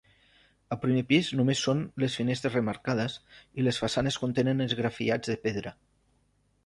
Al primer pis només són les finestres remarcades i les façanes contenen esgrafiats de pedra.